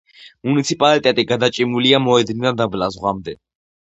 მუნიციპალიტეტი გადაჭიმულია მოედნიდან დაბლა, ზღვამდე.